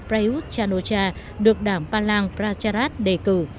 prayuth chanocha được đảng palang pracharat đề cử